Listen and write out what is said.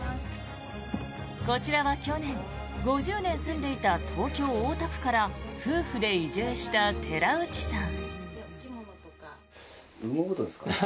こちらは去年５０年住んでいた東京・大田区から夫婦で移住した寺内さん。